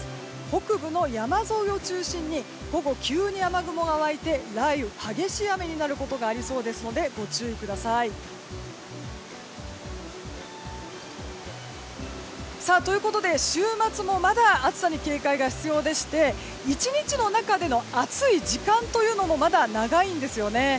北部の山沿いを中心に午後、急に雨雲が湧いて雷雨、激しい雨になることがありそうですのでご注意ください。ということで、週末もまだ暑さに警戒が必要でして１日の中での暑い時間というのもまだ長いんですよね。